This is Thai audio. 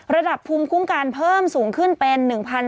ระดับภูมิคุ้มกันเพิ่มสูงขึ้นเป็น๑๕